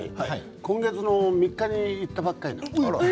今月も３日に行ったばっかり。